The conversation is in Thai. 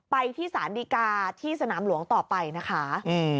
ไปที่สารดีกาที่สนามหลวงต่อไปนะคะ